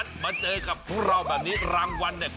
สบายใจแล้วได้เล่นแล้ว